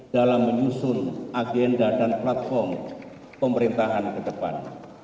dalam menyusun agenda dan platform pemerintahan ke depan